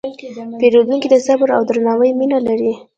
پیرودونکی د صبر او درناوي مینه لري.